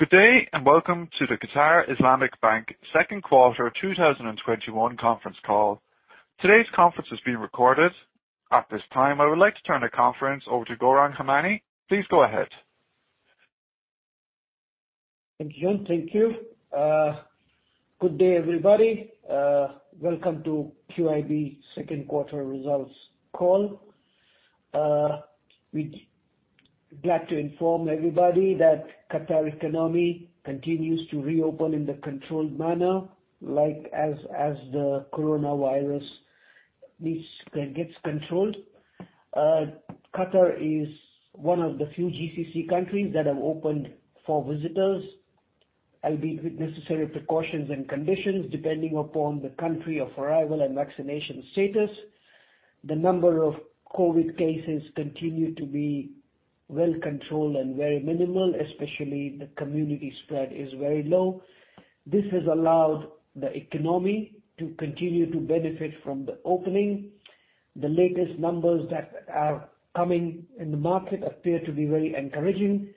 Good day, welcome to the Qatar Islamic Bank second quarter 2021 conference call. Today's conference is being recorded. At this time, I would like to turn the conference over to Gourang Hemani. Please go ahead. Thank you. Good day, everybody. Welcome to QIB second quarter results call. We'd like to inform everybody that Qatar economy continues to reopen in the controlled manner, like as the coronavirus risk gets controlled. Qatar is one of the few GCC countries that have opened for visitors, albeit with necessary precautions and conditions depending upon the country of arrival and vaccination status. The number of COVID cases continue to be well controlled and very minimal, especially the community spread is very low. This has allowed the economy to continue to benefit from the opening. The latest numbers that are coming in the market appear to be very encouraging.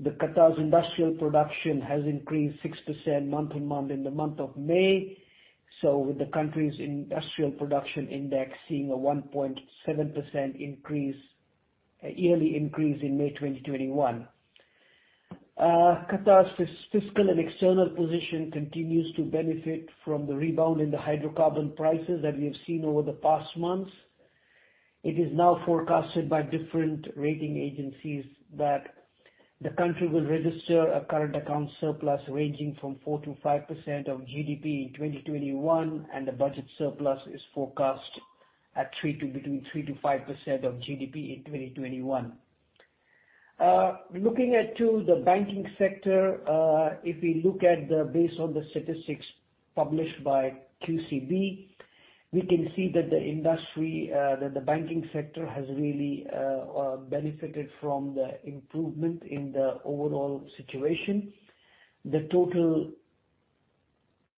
The Qatar's industrial production has increased 6% month-on-month in the month of May, with the country's industrial production index seeing a 1.7% yearly increase in May 2021. Qatar's fiscal and external position continues to benefit from the rebound in the hydrocarbon prices that we have seen over the past months. It is now forecasted by different rating agencies that the country will register a current account surplus ranging from 4%-5% of GDP in 2021, and the budget surplus is forecast at between 3%-5% of GDP in 2021. Looking at the banking sector, if we look at the base of the statistics published by QCB, we can see that the banking sector has really benefited from the improvement in the overall situation. The total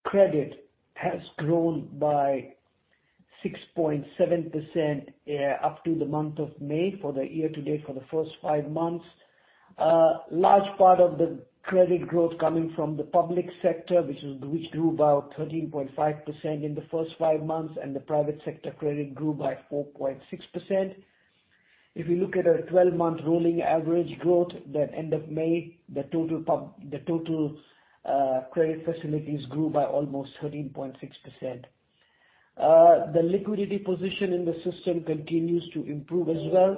credit has grown by 6.7% up to the month of May for the year-to-date for the first five months. Large part of the credit growth coming from the public sector, which grew about 13.5% in the first five months, the private sector credit grew by 4.6%. If we look at a 12-month rolling average growth at end of May, the total credit facilities grew by almost 13.6%. The liquidity position in the system continues to improve as well.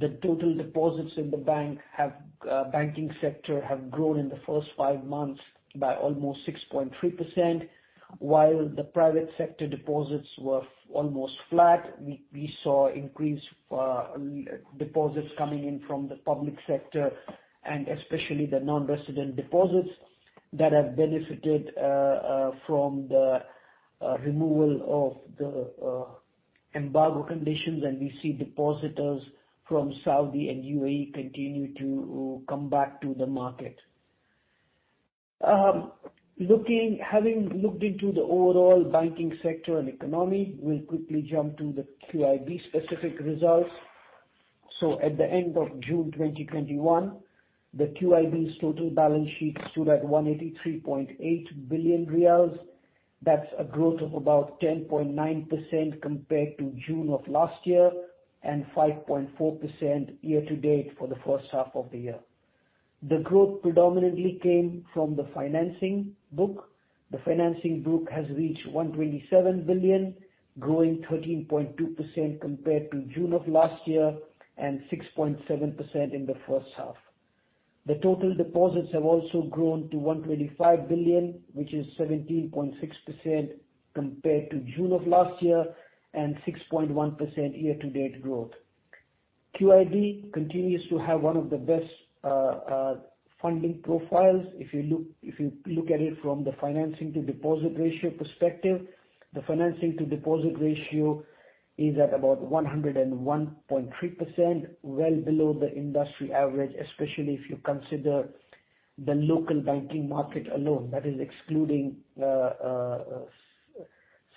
The total deposits in the banking sector have grown in the first five months by almost 6.3%. While the private sector deposits were almost flat, we saw increased deposits coming in from the public sector, especially the non-resident deposits that have benefited from the removal of the embargo conditions. We see depositors from Saudi and UAE continue to come back to the market. Having looked into the overall banking sector and economy, we'll quickly jump to the QIB specific results. At the end of June 2021, the QIB's total balance sheet stood at 183.8 billion riyals. That's a growth of about 10.9% compared to June of last year and 5.4% year-to-date for the first half of the year. The growth predominantly came from the financing book. The financing book has reached 127 billion, growing 13.2% compared to June of last year and 6.7% in the first half. The total deposits have also grown to 125 billion, which is 17.6% compared to June of last year and 6.1% year-to-date growth. QIB continues to have one of the best funding profiles. If you look at it from the financing to deposit ratio perspective, the financing to deposit ratio is at about 101.3%, well below the industry average, especially if you consider the local banking market alone. That is excluding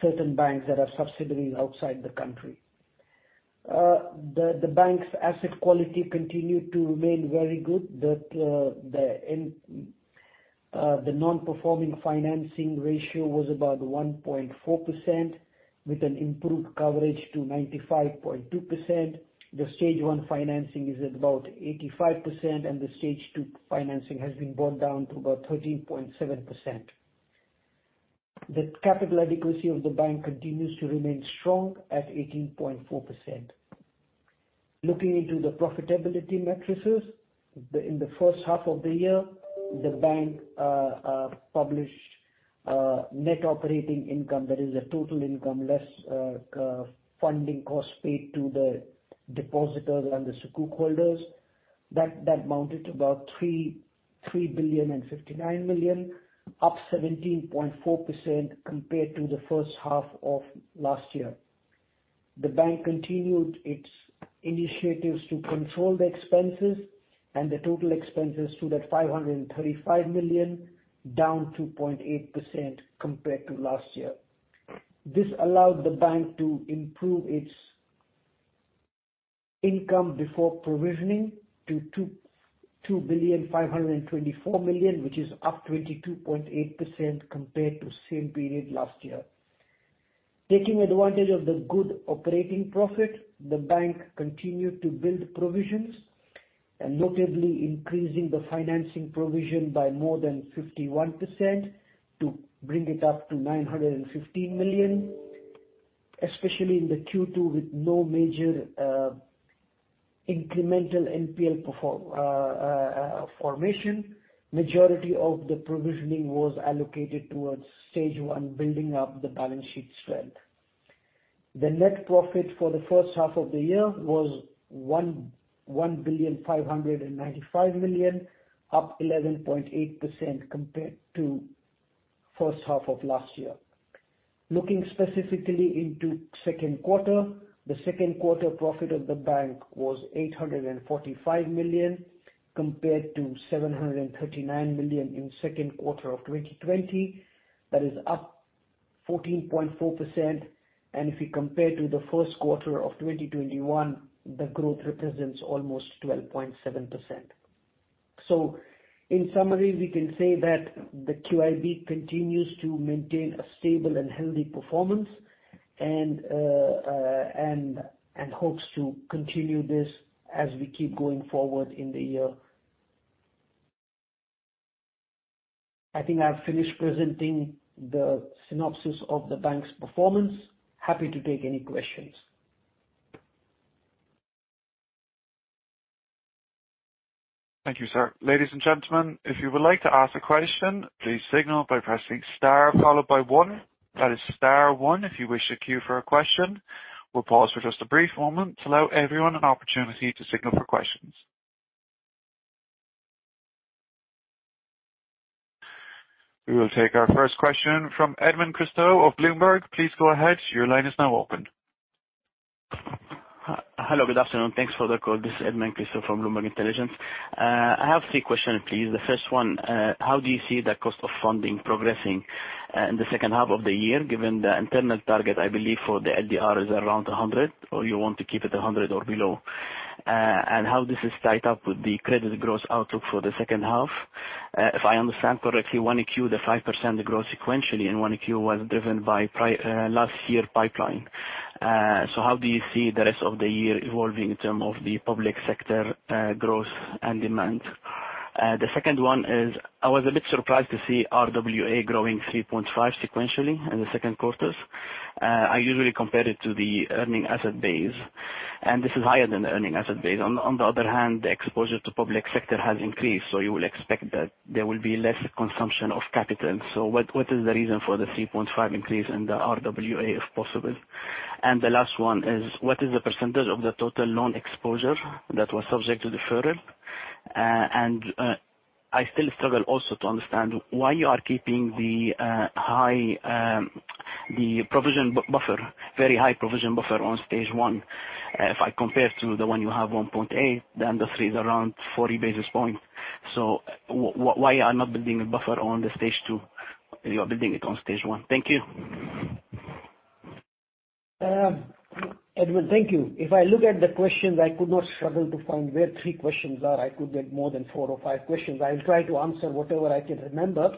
certain banks that are subsidiaries outside the country. The bank's asset quality continued to remain very good. The non-performing financing ratio was about 1.4%, with an improved coverage to 95.2%. The stage 1 financing is at about 85%, and the stage 2 financing has been brought down to about 13.7%. The capital adequacy of the bank continues to remain strong at 18.4%. Looking into the profitability metrics, in the first half of the year, the bank published net operating income. That is the total income less funding cost paid to the depositors and the sukuk holders. That mounted to about 3.059 billion, up 17.4% compared to the first half of last year. The bank continued its initiatives to control the expenses, and the total expenses stood at 535 million, down 2.8% compared to last year. This allowed the bank to improve its Income before provisioning to $2.524 billion, which is up 22.8% compared to same period last year. Taking advantage of the good operating profit, the bank continued to build provisions, notably increasing the financing provision by more than 51% to bring it up to $915 million, especially in the Q2 with no major incremental NPL formation. Majority of the provisioning was allocated towards stage 1, building up the balance sheet strength. The net profit for the first half of the year was $1.595 billion, up 11.8% compared to first half of last year. Looking specifically into second quarter, the second quarter profit of the bank was $845 million, compared to $739 million in second quarter of 2020. That is up 14.4%, and if we compare to the first quarter of 2021, the growth represents almost 12.7%. In summary, we can say that the QIB continues to maintain a stable and healthy performance, and hopes to continue this as we keep going forward in the year. I think I've finished presenting the synopsis of the bank's performance. Happy to take any questions. Thank you, sir. Ladies and gentlemen, if you would like to ask a question, please signal by pressing star followed by one. That is star one if you wish to queue for a question. We will pause for just a brief moment to allow everyone an opportunity to signal for questions. We will take our first question from Edmond Christou of Bloomberg. Please go ahead. Your line is now open. Hello, good afternoon. Thanks for the call. This is Edmond Christou from Bloomberg Intelligence. I have three questions, please. The first one, how do you see the cost of funding progressing in the second half of the year, given the internal target, I believe, for the LDR is around 100, or you want to keep it 100 or below? How this is tied up with the credit gross outlook for the second half. If I understand correctly, 1Q, the 5% growth sequentially in 1Q was driven by last year pipeline. How do you see the rest of the year evolving in term of the public sector growth and demand? The second one is, I was a bit surprised to see RWA growing 3.5% sequentially in the second quarters. I usually compare it to the earning asset base, and this is higher than the earning asset base. On the other hand, the exposure to public sector has increased, you will expect that there will be less consumption of capital. What is the reason for the 3.5% increase in the RWA, if possible? The last one is, what is the percentage of the total loan exposure that was subject to deferral? I still struggle also to understand why you are keeping the very high provision buffer on stage 1. If I compare to the one you have 1.8%, the industry is around 40 basis points. Why you are not building a buffer on the stage 2, you are building it on stage 1? Thank you. Edmond, thank you. If I look at the questions, I could not struggle to find where three questions are. I could get more than four or five questions. I'll try to answer whatever I can remember.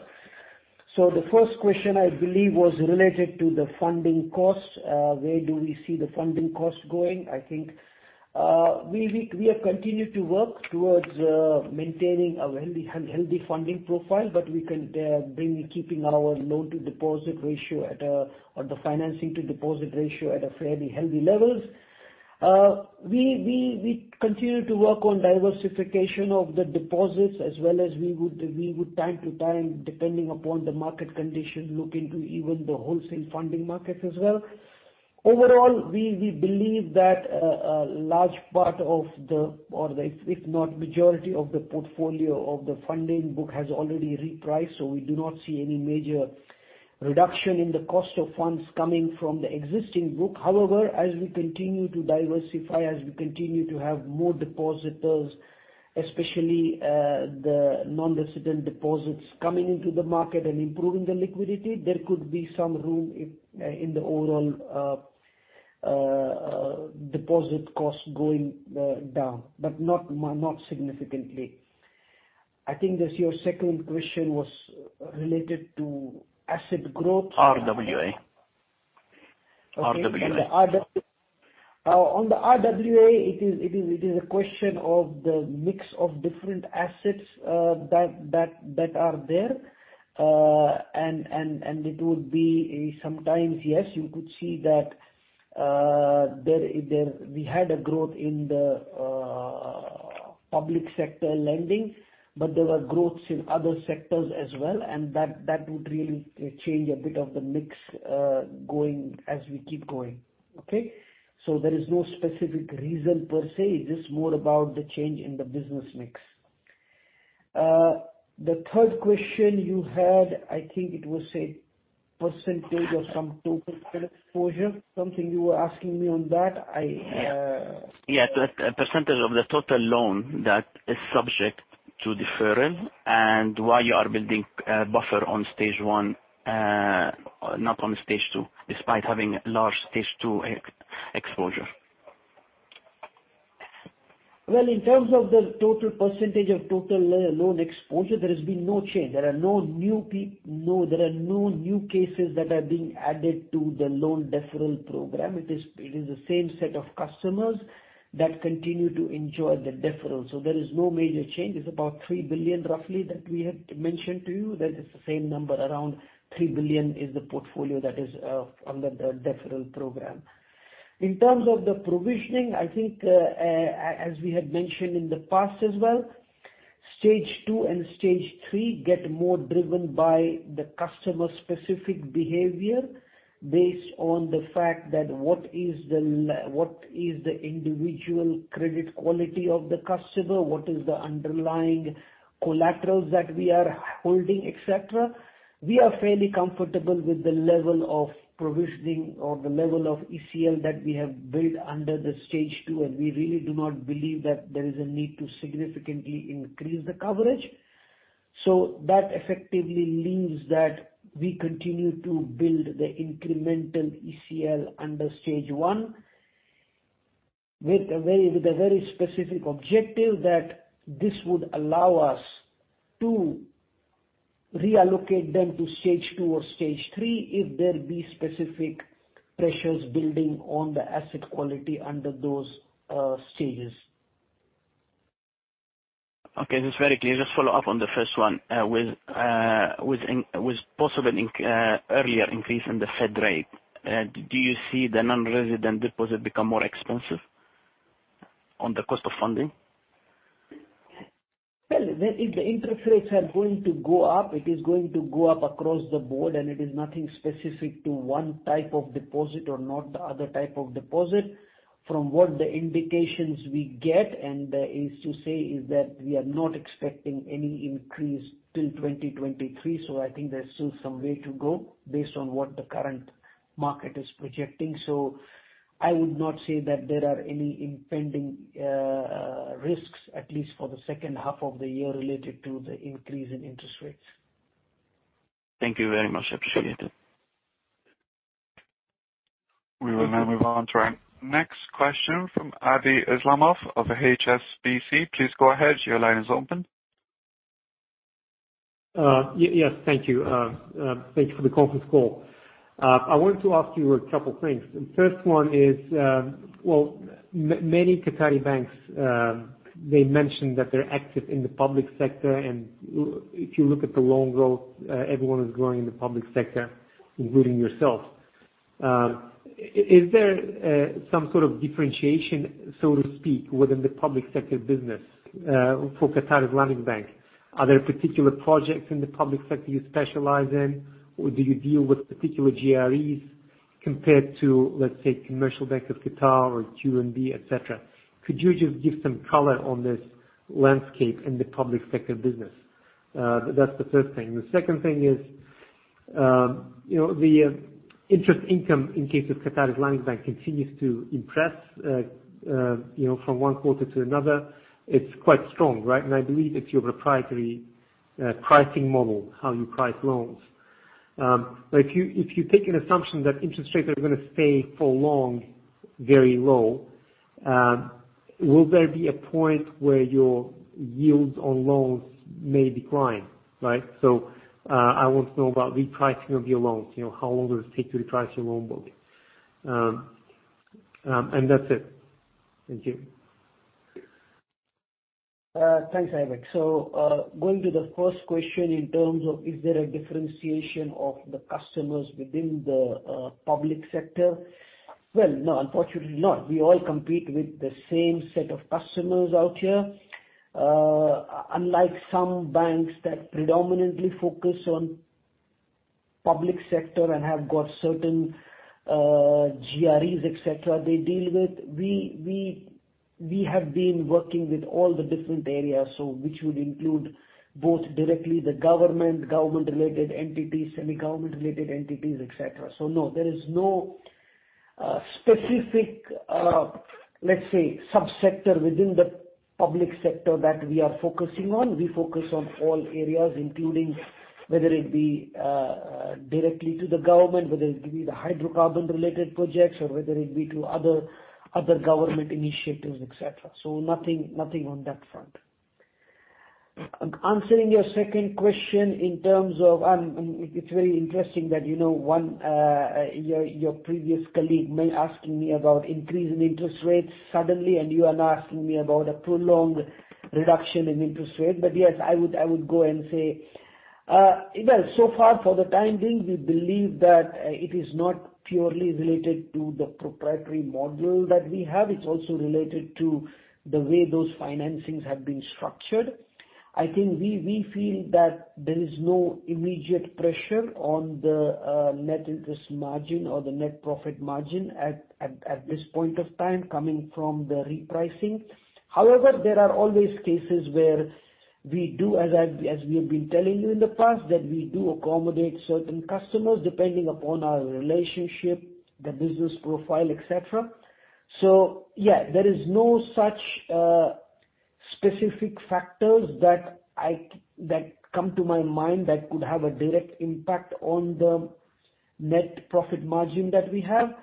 The first question, I believe, was related to the funding costs. Where do we see the funding costs going? I think we have continued to work towards maintaining a healthy funding profile, but we can bring keeping our loan to deposit ratio or the financing to deposit ratio at a fairly healthy levels. We continue to work on diversification of the deposits as well as we would time to time, depending upon the market condition, look into even the wholesale funding markets as well. Overall, we believe that a large part of the, or if not majority of the portfolio of the funding book has already repriced. We do not see any major reduction in the cost of funds coming from the existing book. However, as we continue to diversify, as we continue to have more depositors, especially the non-resident deposits coming into the market and improving the liquidity, there could be some room in the overall deposit cost going down, but not significantly. I think your second question was related to asset growth. RWA. Okay. RWA. On the RWA, it is a question of the mix of different assets that are there. It would be sometimes, yes, you could see that we had a growth in the public sector lending, but there were growths in other sectors as well, and that would really change a bit of the mix as we keep going. Okay? There is no specific reason per se, it is more about the change in the business mix. The third question you had, I think it was a percentage of some total exposure, something you were asking me on that. Yeah. Percentage of the total loan that is subject to deferral. Why you are building a buffer on stage 1, not on stage 2, despite having large stage 2 exposure. Well, in terms of the total percentage of total loan exposure, there has been no change. There are no new cases that are being added to the loan deferral program. It is the same set of customers that continue to enjoy the deferral. There is no major change. It is about 3 billion roughly that we had mentioned to you. That is the same number. Around 3 billion is the portfolio that is under the deferral program. In terms of the provisioning, I think, as we had mentioned in the past as well, stage 2 and stage 3 get more driven by the customer-specific behavior based on the fact that what is the individual credit quality of the customer, what is the underlying collaterals that we are holding, et cetera. We are fairly comfortable with the level of provisioning or the level of ECL that we have built under the stage 2, and we really do not believe that there is a need to significantly increase the coverage. That effectively means that we continue to build the incremental ECL under stage 1 with a very specific objective that this would allow us to reallocate them to stage 2 or stage 3 if there be specific pressures building on the asset quality under those stages. Okay. That's very clear. Just follow up on the first one. With possible earlier increase in the Fed rate, do you see the non-resident deposit become more expensive on the cost of funding? Well, if the interest rates are going to go up, it is going to go up across the board and it is nothing specific to 1 type of deposit or not the other type of deposit. From what the indications we get, and is to say, is that we are not expecting any increase till 2023. I think there's still some way to go based on what the current market is projecting. I would not say that there are any impending risks, at least for the second half of the year related to the increase in interest rates. Thank you very much. Appreciate it. We will now move on to our next question from Aybek Islamov of HSBC. Please go ahead. Your line is open. Yes. Thank you. Thanks for the conference call. I wanted to ask you a couple things. The first one is, well, many Qatari banks, they mentioned that they're active in the public sector, and if you look at the loan growth, everyone is growing in the public sector, including yourself. Is there some sort of differentiation, so to speak, within the public sector business for Qatar Islamic Bank? Are there particular projects in the public sector you specialize in, or do you deal with particular GREs compared to, let's say, Commercial Bank of Qatar or QNB, et cetera? Could you just give some color on this landscape in the public sector business? That's the first thing. The second thing is, the interest income in case of Qatar Islamic Bank continues to impress from one quarter to another. It's quite strong, right? I believe it's your proprietary pricing model, how you price loans. If you take an assumption that interest rates are going to stay for long very low, will there be a point where your yields on loans may decline, right? I want to know about repricing of your loans, how long does it take to reprice your loan body? That's it. Thank you. Thanks, Adi. Going to the first question in terms of, is there a differentiation of the customers within the public sector? Well, no, unfortunately not. We all compete with the same set of customers out here. Unlike some banks that predominantly focus on public sector and have got certain GREs, et cetera, they deal with, we have been working with all the different areas, which would include both directly the government-related entities, semi-government-related entities, et cetera. No, there is no specific, let's say, subsector within the public sector that we are focusing on. We focus on all areas, including whether it be directly to the government, whether it be the hydrocarbon-related projects or whether it be to other government initiatives, et cetera. Nothing on that front. Answering your second question. It is very interesting that one, your previous colleague may asking me about increase in interest rates suddenly and you are now asking me about a prolonged reduction in interest rate. Yes, I would go and say, well, so far for the time being, we believe that it is not purely related to the proprietary model that we have. It is also related to the way those financings have been structured. I think we feel that there is no immediate pressure on the net interest margin or the net profit margin at this point of time coming from the repricing. However, there are always cases where we do, as we have been telling you in the past, that we do accommodate certain customers depending upon our relationship, the business profile, et cetera. Yeah, there is no such specific factors that come to my mind that could have a direct impact on the net profit margin that we have.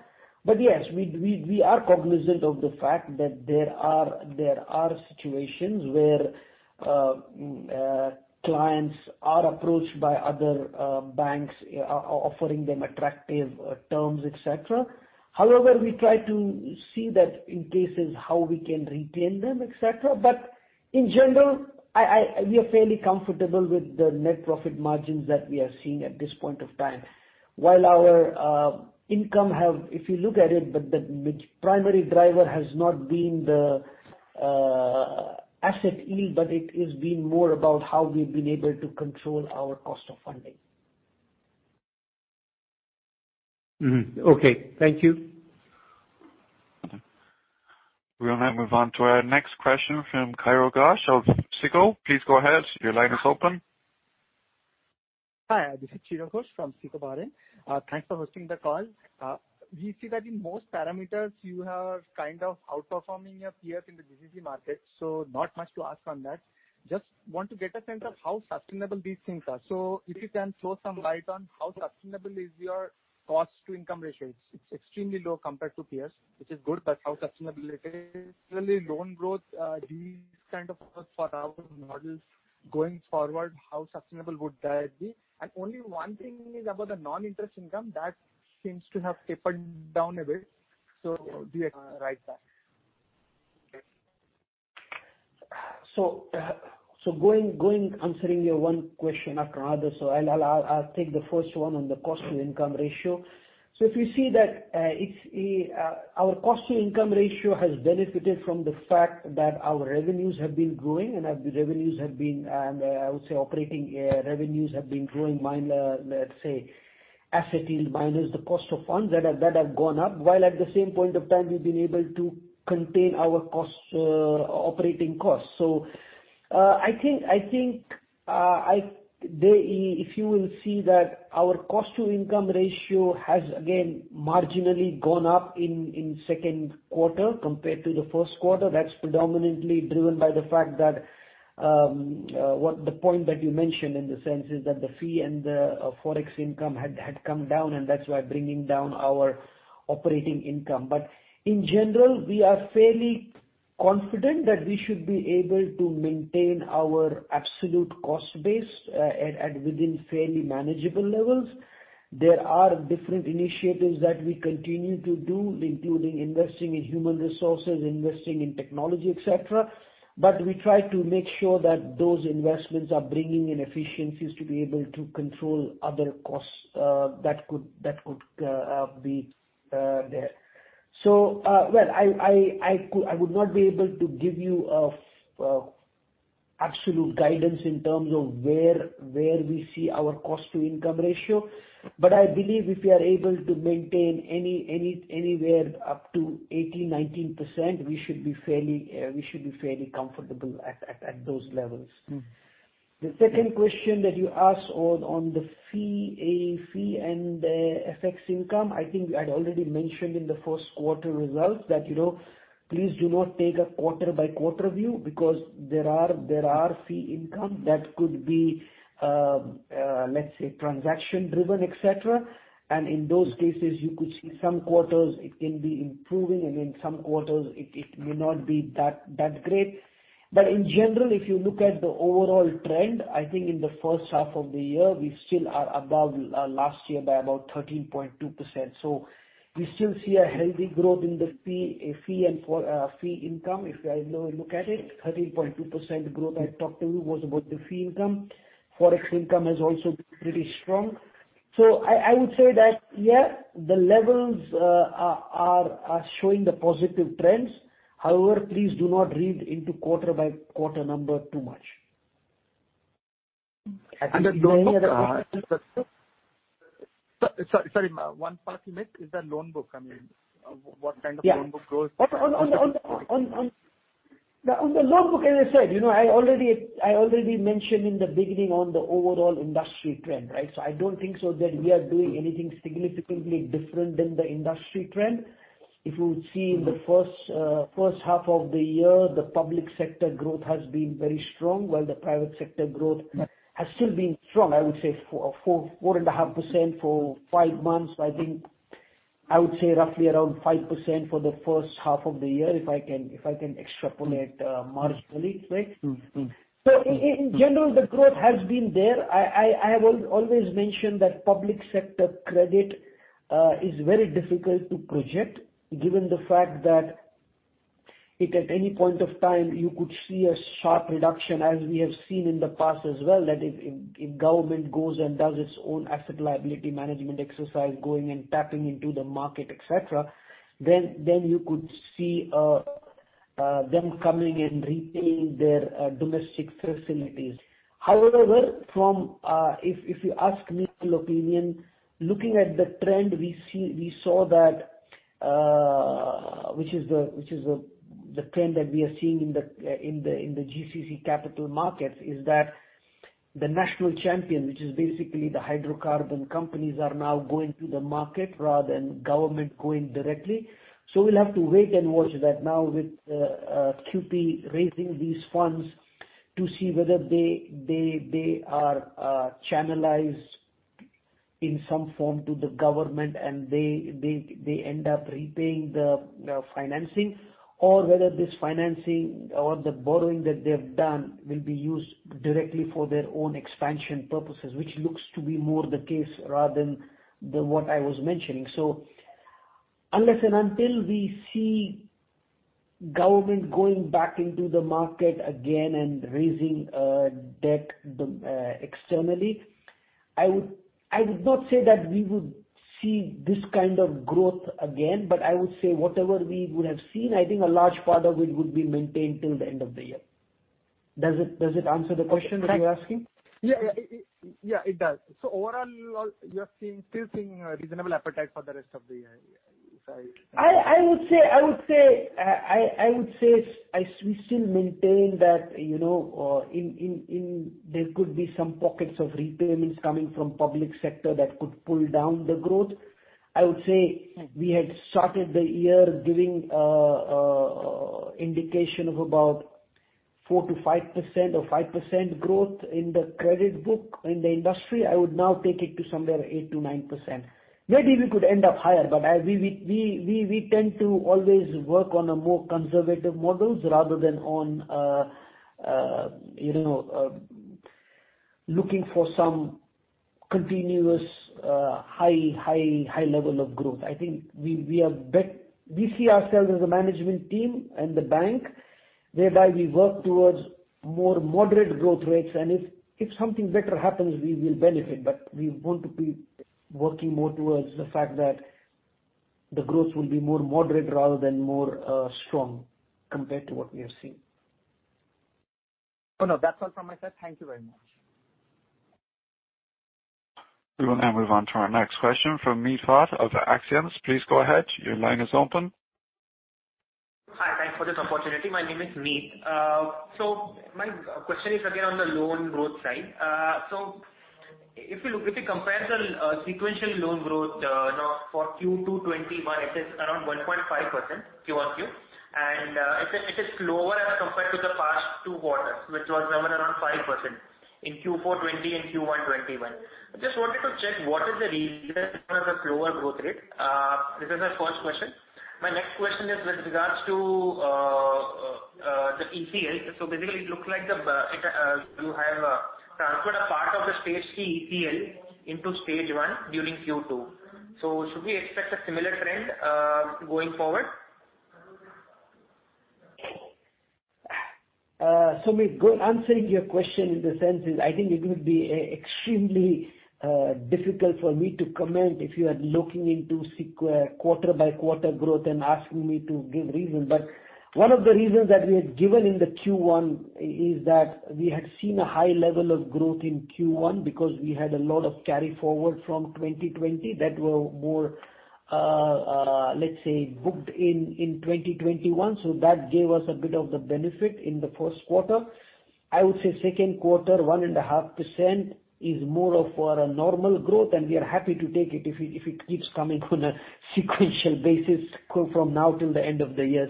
Yes, we are cognizant of the fact that there are situations where clients are approached by other banks offering them attractive terms, et cetera. However, we try to see that in cases how we can retain them, et cetera. In general, we are fairly comfortable with the net profit margins that we are seeing at this point of time. While our income have, if you look at it, but the primary driver has not been the asset yield, but it has been more about how we've been able to control our cost of funding. Okay. Thank you. We will now move on to our next question from Chiradeep Ghosh of SICO. Please go ahead. Your line is open. Hi. This is Chiradeep Ghosh from SICO, Bahrain. Thanks for hosting the call. We see that in most parameters, you are kind of outperforming your peers in the GCC market. Not much to ask on that. Just want to get a sense of how sustainable these things are. If you can throw some light on how sustainable is your cost-to-income ratio. It's extremely low compared to peers, which is good. How sustainable it is. Really loan growth, these kind of for our models going forward, how sustainable would that be? Only one thing is about the non-interest income that seems to have tapered down a bit. Do you write that? Going answering your one question after another, I'll take the first one on the cost-to-income ratio. If you see that our cost-to-income ratio has benefited from the fact that our revenues have been growing and the revenues have been, and I would say operating revenues have been growing minus asset yield minus the cost of funds that have gone up, while at the same point of time, we've been able to contain our operating costs. I think if you will see that our cost-to-income ratio has again marginally gone up in second quarter compared to the first quarter, that's predominantly driven by the fact that what the point that you mentioned in the sense is that the fee and the forex income had come down, and that's why bringing down our operating income. In general, we are fairly confident that we should be able to maintain our absolute cost base at within fairly manageable levels. There are different initiatives that we continue to do, including investing in human resources, investing in technology, et cetera, but we try to make sure that those investments are bringing in efficiencies to be able to control other costs that could be there. Well, I would not be able to give you absolute guidance in terms of where we see our cost-to-income ratio, but I believe if we are able to maintain anywhere up to 18%, 19%, we should be fairly comfortable at those levels. The second question that you asked on the fee and FX income, I think I'd already mentioned in the first quarter results that please do not take a quarter-by-quarter view because there are fee income that could be, let's say, transaction-driven, et cetera. In those cases, you could see some quarters it can be improving, and in some quarters it may not be that great. In general, if you look at the overall trend, I think in the first half of the year, we still are above last year by about 13.2%. We still see a healthy growth in the fee income. If you have a look at it, 13.2% growth I talked to you was about the fee income. Forex income has also been pretty strong. I would say that yeah, the levels are showing the positive trends. However, please do not read into quarter-by-quarter number too much. The loan book Any other questions? Sorry. One part you missed is the loan book. What kind of loan book growth Yeah. On the loan book, as I said, I already mentioned in the beginning on the overall industry trend, right? I don't think that we are doing anything significantly different than the industry trend. If you would see in the first half of the year, the public sector growth has been very strong while the private sector growth has still been strong. I would say 4.5% for five months. I think I would say roughly around 5% for the first half of the year, if I can extrapolate marginally, right? In general, the growth has been there. I have always mentioned that public sector credit is very difficult to project given the fact that if at any point of time you could see a sharp reduction as we have seen in the past as well, that if government goes and does its own asset liability management exercise, going and tapping into the market, et cetera, then you could see them coming and repaying their domestic facilities. However, if you ask me opinion, looking at the trend we saw that which is the trend that we are seeing in the GCC capital markets is that the national champion, which is basically the hydrocarbon companies, are now going to the market rather than government going directly. We'll have to wait and watch that now with QP raising these funds to see whether they are channelized in some form to the government, and they end up repaying the financing, or whether this financing or the borrowing that they have done will be used directly for their own expansion purposes, which looks to be more the case rather than what I was mentioning. Unless and until we see government going back into the market again and raising debt externally, I would not say that we would see this kind of growth again, but I would say whatever we would have seen, I think a large part of it would be maintained till the end of the year. Does it answer the question that you're asking? Yeah, it does. Overall, you are still seeing a reasonable appetite for the rest of the year if I- I would say we still maintain that there could be some pockets of repayments coming from public sector that could pull down the growth. I would say we had started the year giving indication of about 4% to 5% or 5% growth in the credit book in the industry. I would now take it to somewhere 8% to 9%. Maybe we could end up higher, but we tend to always work on more conservative models rather than on looking for some continuous high level of growth. I think we see ourselves as a management team and the bank whereby we work towards more moderate growth rates, and if something better happens, we will benefit. We want to be working more towards the fact that the growth will be more moderate rather than more strong compared to what we have seen. No, that's all from my side. Thank you very much. We will now move on to our next question from Meat Path of Axiom. Please go ahead. Your line is open. Hi, thanks for this opportunity. My name is Meat. My question is again on the loan growth side. If we compare the sequential loan growth for Q2 '21, it is around 1.5% QOQ, and it is lower as compared to the past two quarters, which was somewhere around 5% in Q4 '20 and Q1 '21. I just wanted to check what is the reason for the slower growth rate. This is my first question. My next question is with regards to the ECL. Basically, it looks like you have transferred a part of the stage C ECL into stage 1 during Q2. Should we expect a similar trend going forward? Meat, answering your question in the sense is, I think it would be extremely difficult for me to comment if you are looking into quarter-by-quarter growth and asking me to give reason. One of the reasons that we had given in the Q1 is that we had seen a high level of growth in Q1 because we had a lot of carry forward from 2020 that were more, let's say, booked in 2021. That gave us a bit of the benefit in the first quarter. I would say second quarter, 1.5% is more of our normal growth, and we are happy to take it if it keeps coming on a sequential basis from now till the end of the year.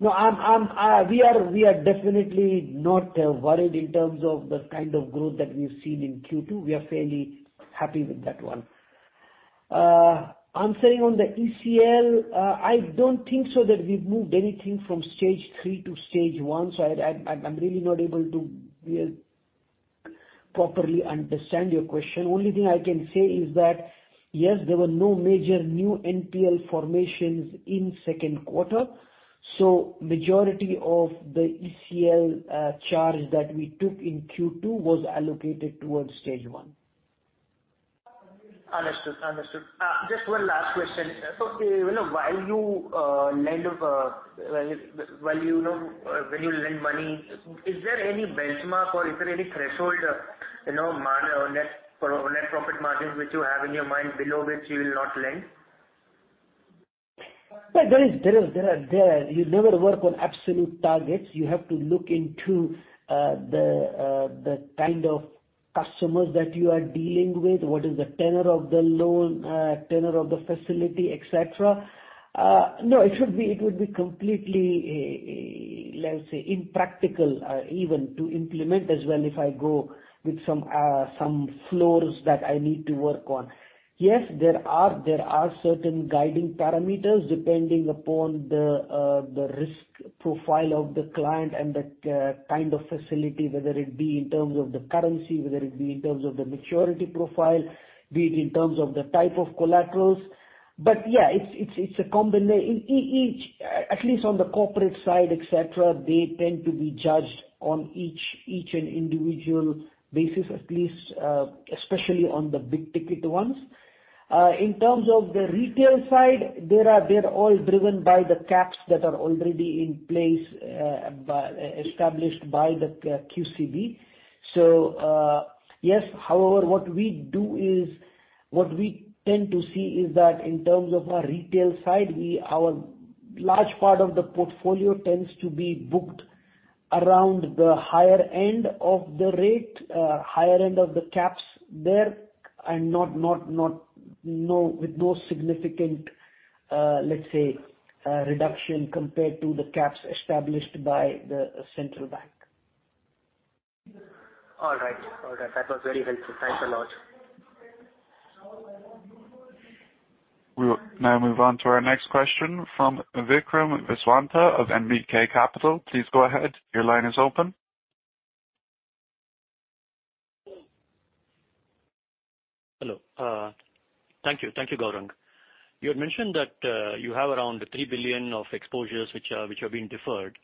No, we are definitely not worried in terms of the kind of growth that we've seen in Q2. We are fairly happy with that one. Answering on the ECL, I don't think so that we've moved anything from stage 3 to stage 1, I'm really not able to properly understand your question. Only thing I can say is that, yes, there were no major new NPL formations in second quarter. Majority of the ECL charge that we took in Q2 was allocated towards stage 1. Understood. Just one last question. While when you lend money, is there any benchmark or is there any threshold net profit margins which you have in your mind below which you will not lend? There is. You never work on absolute targets. You have to look into the kind of customers that you are dealing with, what is the tenor of the loan, tenor of the facility, et cetera. It would be completely, let's say, impractical even to implement as well if I go with some floors that I need to work on. There are certain guiding parameters depending upon the risk profile of the client and the kind of facility, whether it be in terms of the currency, whether it be in terms of the maturity profile, be it in terms of the type of collaterals. Yeah, at least on the corporate side, et cetera, they tend to be judged on each and individual basis, at least especially on the big-ticket ones. In terms of the retail side, they're all driven by the caps that are already in place established by the QCB. Yes, however, what we tend to see is that in terms of our retail side, our large part of the portfolio tends to be booked around the higher end of the rate, higher end of the caps there, and with no significant, let's say, reduction compared to the caps established by the central bank. Right. That was very helpful. Thanks a lot. We will now move on to our next question from Vikram Viswanathan of NBK Capital. Please go ahead. Your line is open. Hello. Thank you, Gourang. You had mentioned that you have around $3 billion of exposures which have been deferred.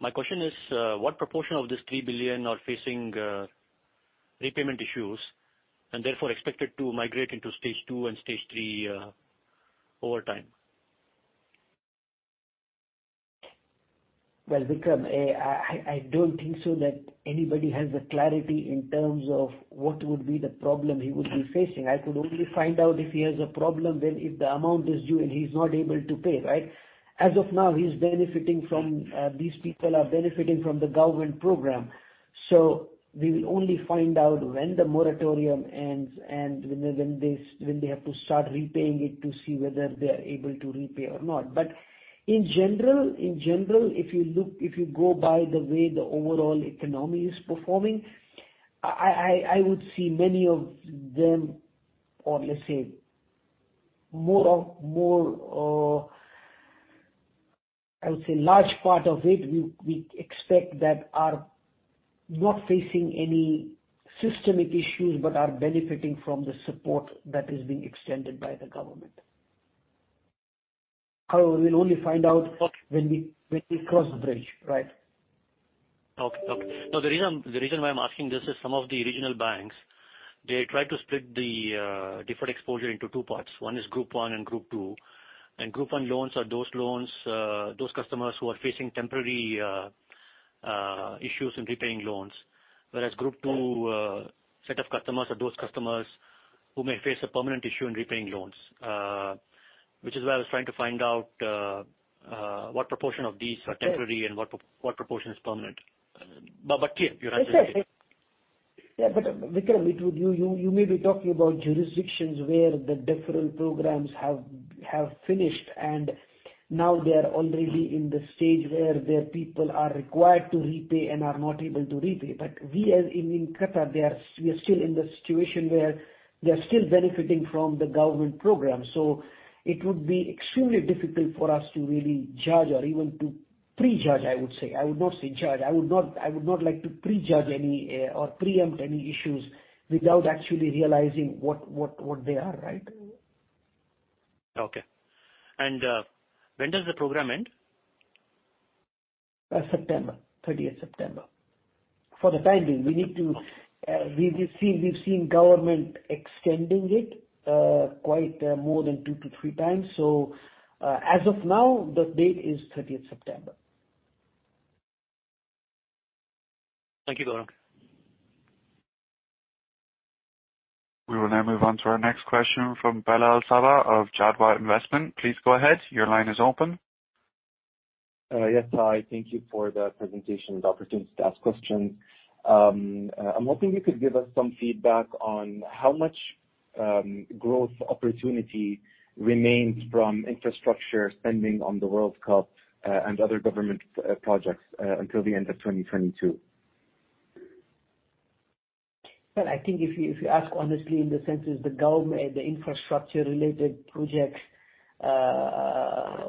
My question is, what proportion of this $3 billion are facing repayment issues and therefore expected to migrate into stage 2 and stage 3 over time? Well, Vikram, I don't think so that anybody has the clarity in terms of what would be the problem he would be facing. I could only find out if he has a problem when if the amount is due and he's not able to pay. As of now, these people are benefiting from the government program. We will only find out when the moratorium ends and when they have to start repaying it to see whether they are able to repay or not. In general, if you go by the way the overall economy is performing, I would say large part of it, we expect that are not facing any systemic issues but are benefiting from the support that is being extended by the government. However, we'll only find out when we cross the bridge. Okay. Now, the reason why I'm asking this is some of the regional banks, they try to split the deferred exposure into two parts. One is group 1 and group 2. Group 1 loans are those customers who are facing temporary issues in repaying loans. Whereas group 2 set of customers are those customers who may face a permanent issue in repaying loans. Which is why I was trying to find out what proportion of these are temporary and what proportion is permanent. Clear, you answered it. Yeah. Vikram, you may be talking about jurisdictions where the deferral programs have finished and now they are already in the stage where their people are required to repay and are not able to repay. We as in Qatar, we are still in the situation where they're still benefiting from the government program. It would be extremely difficult for us to really judge or even to prejudge, I would say. I would not say judge. I would not like to prejudge any or preempt any issues without actually realizing what they are. Okay. When does the program end? 30th September. For the time being. We've seen government extending it quite more than two to three times. As of now, the date is 30th September. Thank you, Gourang. We will now move on to our next question from Belal Subeh of Jadwa Investment. Please go ahead. Your line is open. Yes, hi. Thank you for the presentation and the opportunity to ask questions. I'm hoping you could give us some feedback on how much growth opportunity remains from infrastructure spending on the World Cup and other government projects until the end of 2022. Well, I think if you ask honestly in the sense is the infrastructure-related projects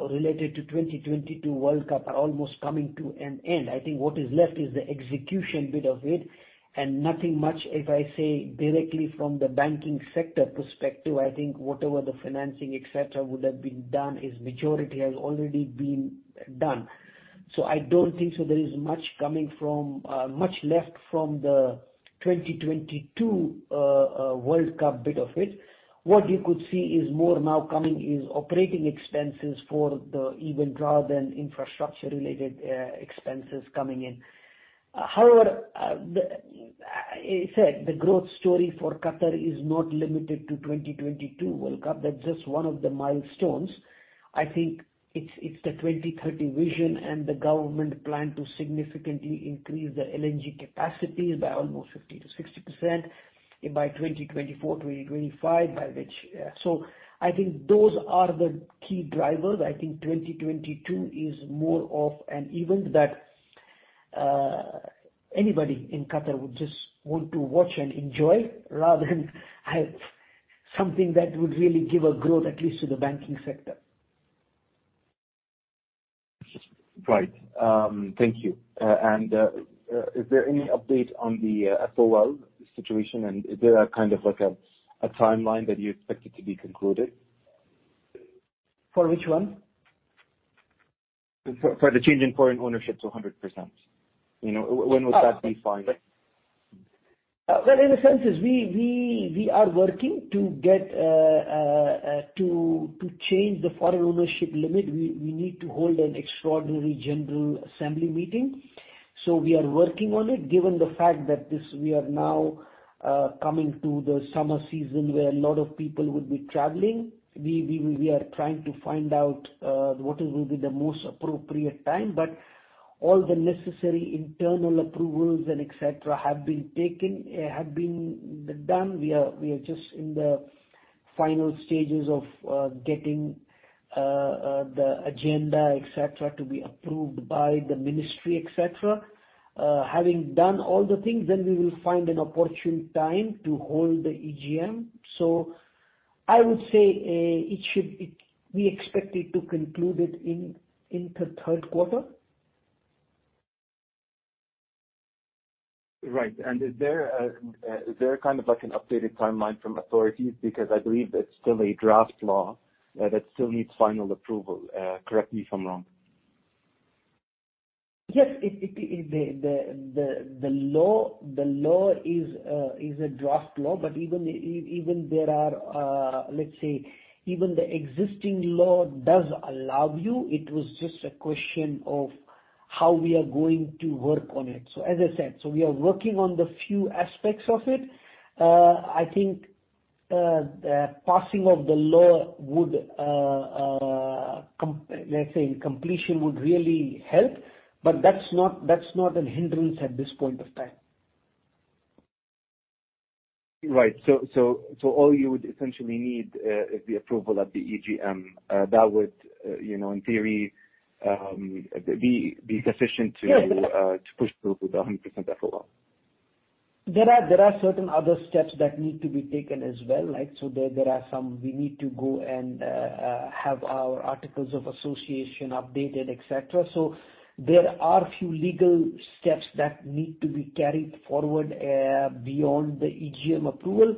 related to 2022 World Cup are almost coming to an end. I think what is left is the execution bit of it and nothing much, if I say directly from the banking sector perspective, I think whatever the financing, et cetera, would have been done is majority has already been done. I don't think so there is much left from the 2022 World Cup bit of it. What you could see is more now coming is operating expenses for the event rather than infrastructure-related expenses coming in. However, as said, the growth story for Qatar is not limited to 2022 World Cup. That's just one of the milestones. I think it's the 2030 vision and the government plan to significantly increase the LNG capacities by almost 50%-60% by 2024, 2025. I think those are the key drivers. I think 2022 is more of an event that anybody in Qatar would just want to watch and enjoy rather than something that would really give a growth, at least to the banking sector. Right. Thank you. Is there any update on the FOL situation, and is there a timeline that you expect it to be concluded? For which one? For the change in foreign ownership to 100%. When would that be final? Well, in a sense, we are working to change the Foreign Ownership Limit. We need to hold an extraordinary general assembly meeting. We are working on it given the fact that we are now coming to the summer season where a lot of people will be traveling. We are trying to find out what will be the most appropriate time, but all the necessary internal approvals and et cetera have been done. We are just in the final stages of getting the agenda, et cetera, to be approved by the ministry, et cetera. Having done all the things, we will find an opportune time to hold the EGM. I would say we expect to conclude it in the third quarter. Right. Is there an updated timeline from authorities? I believe it's still a draft law that still needs final approval. Correct me if I'm wrong. Yes. The law is a draft law, let's say, even the existing law does allow you, it was just a question of how we are going to work on it. As I said, we are working on the few aspects of it. I think the passing of the law would, let's say, completion would really help, that's not a hindrance at this point in time. Right. All you would essentially need is the approval at the EGM. That would in theory be sufficient to- Yes to push through with the 100% FOL. There are certain other steps that need to be taken as well. There are some we need to go and have our Articles of Association updated, et cetera. There are a few legal steps that need to be carried forward beyond the EGM approval.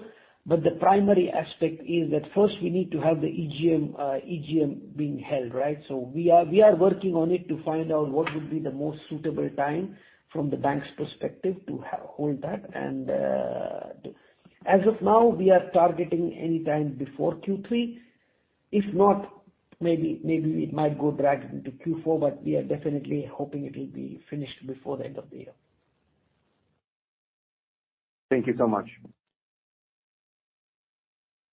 The primary aspect is that first we need to have the EGM being held. We are working on it to find out what would be the most suitable time from the bank's perspective to hold that. As of now, we are targeting any time before Q3. If not, maybe it might go drag into Q4, but we are definitely hoping it will be finished before the end of the year. Thank you so much.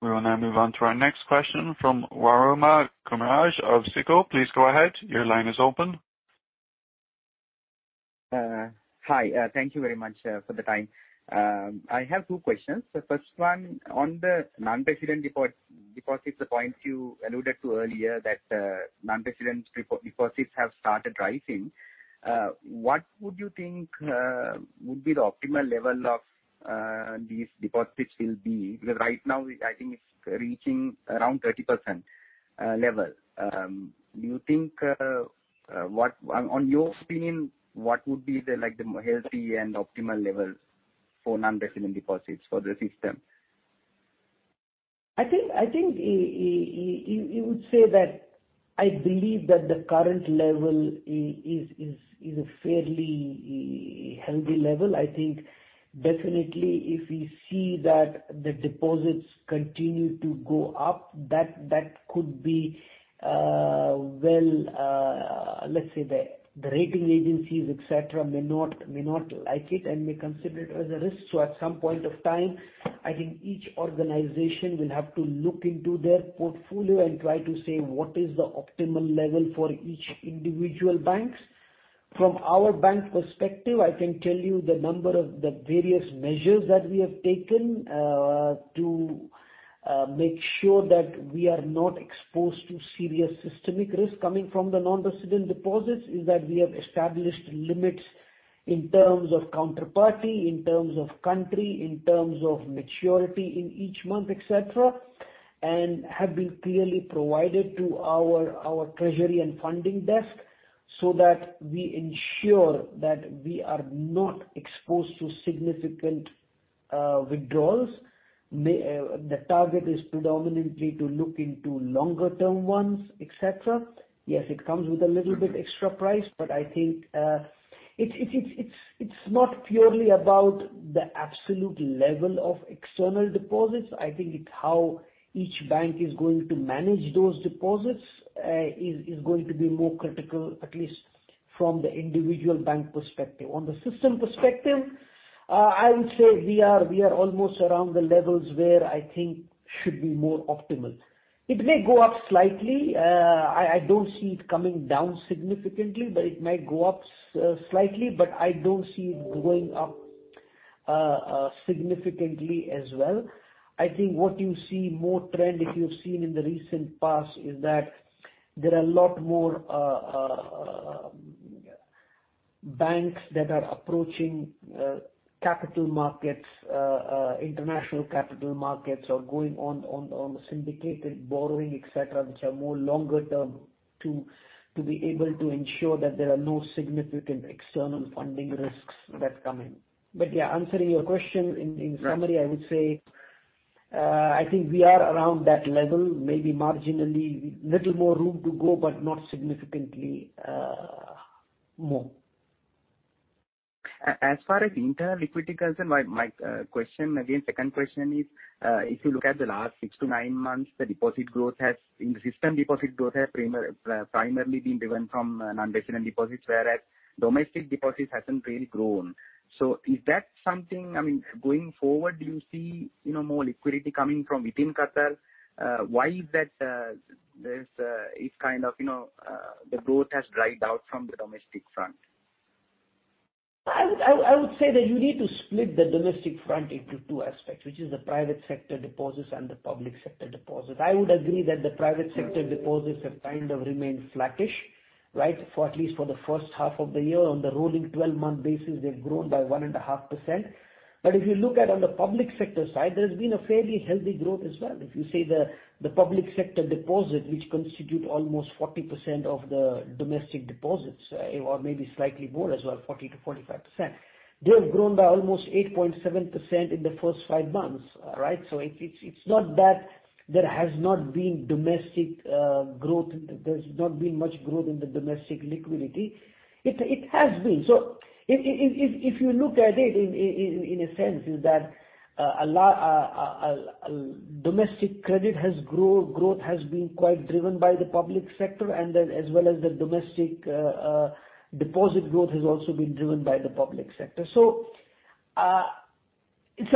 We will now move on to our next question from Waruna Kumarage of SICO. Please go ahead. Your line is open. Hi. Thank you very much for the time. I have two questions. The first one on the non-resident deposits, the point you alluded to earlier that non-resident deposits have started rising. What would you think would be the optimal level of these deposits will be? Because right now I think it's reaching around 30% level. In your opinion, what would be the healthy and optimal level for non-resident deposits for the system? I think you would say that I believe that the current level is a fairly healthy level. I think definitely if we see that the deposits continue to go up, that could be, let's say the rating agencies, et cetera, may not like it and may consider it as a risk. At some point of time, I think each organization will have to look into their portfolio and try to say what is the optimal level for each individual banks. From our bank perspective, I can tell you the number of the various measures that we have taken to make sure that we are not exposed to serious systemic risk coming from the non-resident deposits is that we have established limits in terms of counterparty, in terms of country, in terms of maturity in each month, et cetera, and have been clearly provided to our treasury and funding desk so that we ensure that we are not exposed to significant withdrawals. The target is predominantly to look into longer-term ones, et cetera. Yes, it comes with a little bit extra price, but I think it's not purely about the absolute level of external deposits. I think it's how each bank is going to manage those deposits is going to be more critical, at least from the individual bank perspective. On the system perspective, I would say we are almost around the levels where I think should be more optimal. It may go up slightly. I don't see it coming down significantly, but it might go up slightly, but I don't see it going up significantly as well. I think what you see more trend if you've seen in the recent past is that there are a lot more banks that are approaching capital markets, international capital markets or going on syndicated borrowing, et cetera, which are more longer term to be able to ensure that there are no significant external funding risks that come in. Answering your question in summary, I would say, I think we are around that level, maybe marginally little more room to go, but not significantly more. As far as internal liquidity goes, my question again, second question is, if you look at the last 6 to 9 months, the system deposit growth has primarily been driven from non-resident deposits, whereas domestic deposits hasn't really grown. Is that something, going forward, do you see more liquidity coming from within Qatar? Why is it the growth has dried out from the domestic front? I would say that you need to split the domestic front into two aspects, which is the private sector deposits and the public sector deposits. I would agree that the private sector deposits have kind of remained flattish. For at least for the first half of the year, on the rolling 12-month basis, they've grown by 1.5%. If you look at on the public sector side, there's been a fairly healthy growth as well. If you say the public sector deposit, which constitute almost 40% of the domestic deposits or maybe slightly more as well, 40%-45%. They have grown by almost 8.7% in the first five months. It's not that there has not been much growth in the domestic liquidity. It has been. If you look at it in a sense is that domestic credit growth has been quite driven by the public sector and then as well as the domestic deposit growth has also been driven by the public sector. If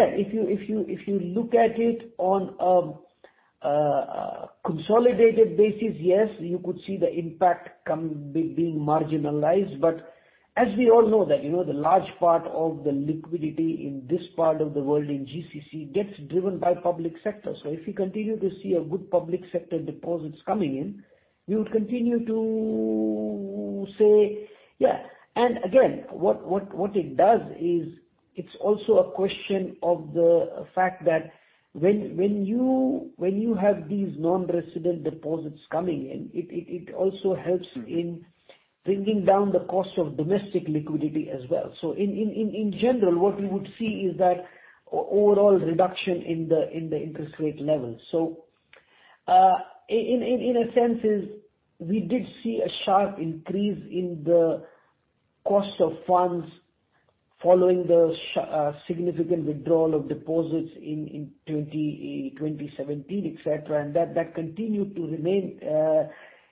you look at it on a consolidated basis, yes, you could see the impact being marginalized. As we all know that the large part of the liquidity in this part of the world in GCC gets driven by public sector. If you continue to see a good public sector deposits coming in, we would continue to say yeah. Again, what it does is it's also a question of the fact that when you have these non-resident deposits coming in, it also helps in bringing down the cost of domestic liquidity as well. In general, what we would see is that overall reduction in the interest rate level. In a sense is we did see a sharp increase in the cost of funds following the significant withdrawal of deposits in 2017, et cetera. That continued to remain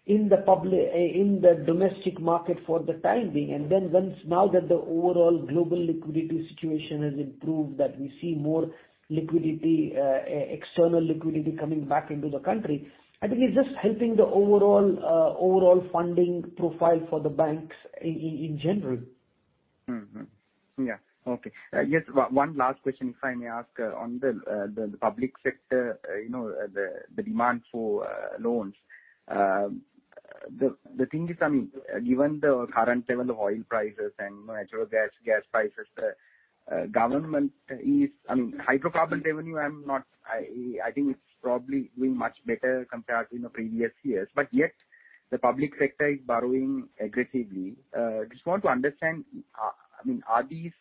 in the domestic market for the time being. Once now that the overall global liquidity situation has improved, that we see more external liquidity coming back into the country. I think it's just helping the overall funding profile for the banks in general. Mm-hmm. Yeah. Okay. Just one last question, if I may ask on the public sector, the demand for loans. The thing is, given the current level of oil prices and natural gas prices, Hydrocarbon revenue, I think it's probably doing much better compared to previous years, but yet the public sector is borrowing aggressively. Just want to understand, are these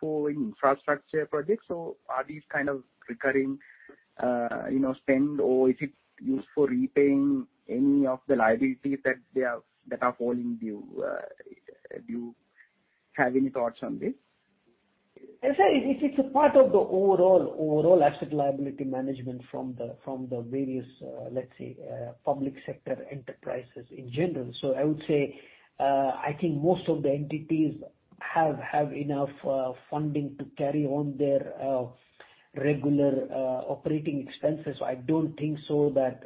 for infrastructure projects or are these kind of recurring spend or is it used for repaying any of the liabilities that are falling due? Do you have any thoughts on this? I'd say it's a part of the overall asset liability management from the various public sector enterprises in general. I would say I think most of the entities have enough funding to carry on their regular operating expenses. I don't think so that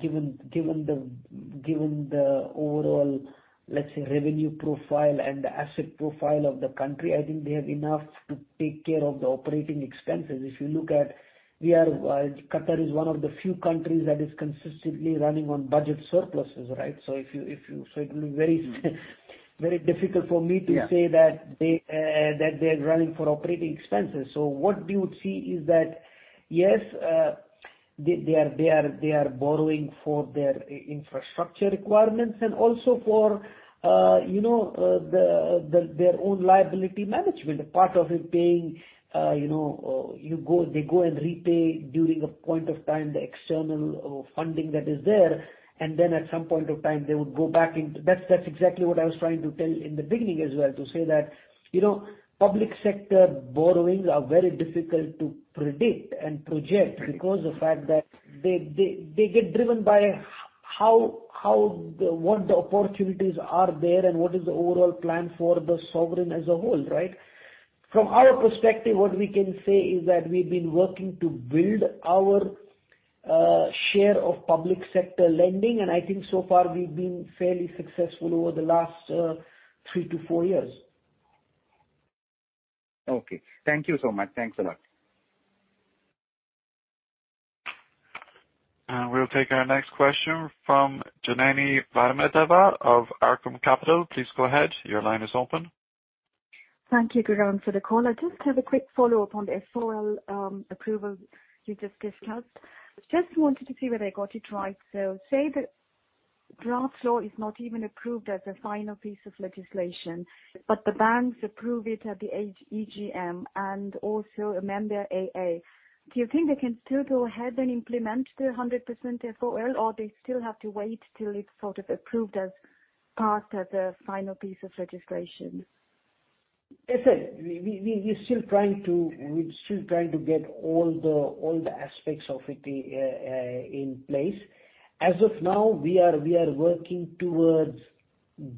given the overall revenue profile and the asset profile of the country, I think they have enough to take care of the operating expenses. If you look at Qatar is one of the few countries that is consistently running on budget surpluses. It will be very difficult for me to say that they are running for operating expenses. What we would see is that, yes, they are borrowing for their infrastructure requirements and also for their own liability management. Part of it they go and repay during a point of time the external funding that is there. That's exactly what I was trying to tell in the beginning as well to say that public sector borrowings are very difficult to predict and project because the fact that they get driven by what the opportunities are there and what is the overall plan for the sovereign as a whole. From our perspective, what we can say is that we've been working to build our share of public sector lending, I think so far we've been fairly successful over the last three to four years. Okay. Thank you so much. Thanks a lot. We'll take our next question from Janani Varadachari of Arqaam Capital. Please go ahead. Your line is open. Thank you again for the call. I just have a quick follow-up on the FOL approval you just discussed. Just wanted to see whether I got it right. Say the draft law is not even approved as a final piece of legislation, but the banks approve it at the EGM and also a member AOA. Do you think they can still go ahead and implement the 100% FOL or they still have to wait till it's sort of approved as part of the final piece of registration? As I said, we're still trying to get all the aspects of it in place. As of now, we are working towards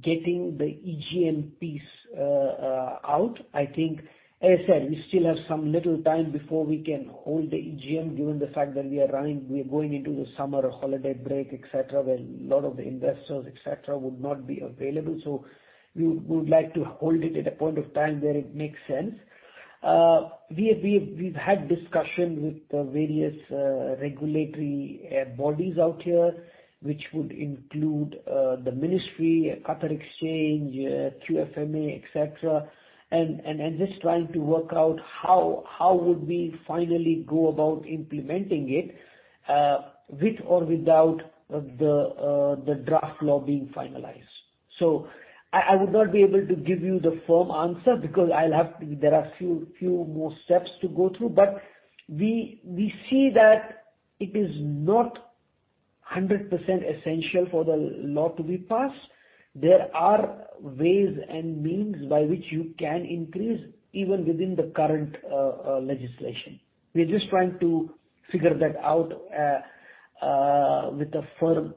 getting the EGM piece out. I think, as I said, we still have some little time before we can hold the EGM, given the fact that we are going into the summer holiday break, et cetera, where a lot of the investors, et cetera, would not be available. We would like to hold it at a point of time where it makes sense. We've had discussions with the various regulatory bodies out here, which would include the Ministry, Qatar Exchange, QFMA, et cetera, and just trying to work out how would we finally go about implementing it, with or without the draft law being finalized. I would not be able to give you the firm answer because there are few more steps to go through. We see that it is not 100% essential for the law to be passed. There are ways and means by which you can increase, even within the current legislation. We're just trying to figure that out with a firm.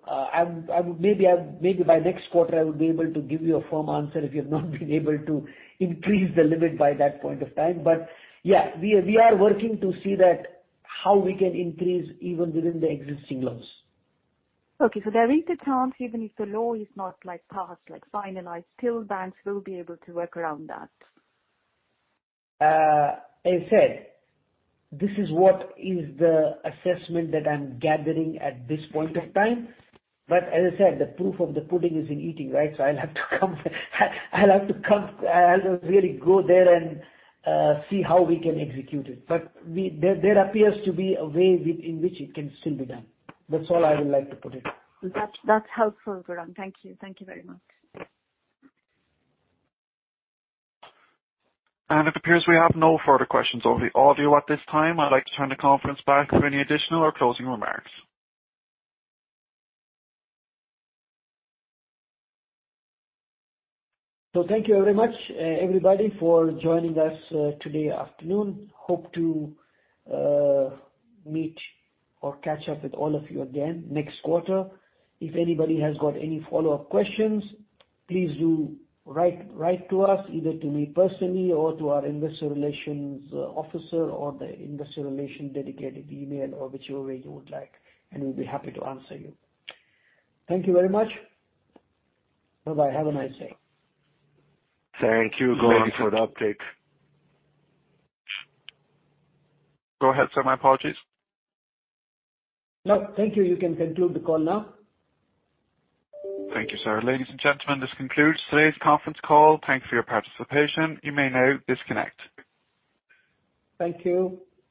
Maybe by next quarter, I would be able to give you a firm answer if we have not been able to increase the limit by that point of time. Yeah, we are working to see how we can increase even within the existing laws. There is a chance even if the law is not passed, like finalized, still banks will be able to work around that? As I said, this is what is the assessment that I'm gathering at this point of time. As I said, the proof of the pudding is in eating, right? I'll have to really go there and see how we can execute it. There appears to be a way in which it can still be done. That's all I would like to put it. That's helpful, Gourang. Thank you. Thank you very much. It appears we have no further questions over the audio at this time. I'd like to turn the conference back for any additional or closing remarks. Thank you very much, everybody, for joining us today afternoon. Hope to meet or catch up with all of you again next quarter. If anybody has got any follow-up questions, please do write to us, either to me personally or to our investor relations officer or the investor relation dedicated email or whichever way you would like, and we'll be happy to answer you. Thank you very much. Bye-bye. Have a nice day. Thank you, Gourang, for the update. Go ahead, sir. My apologies. No, thank you. You can conclude the call now. Thank you, sir. Ladies and gentlemen, this concludes today's conference call. Thank you for your participation. You may now disconnect. Thank you.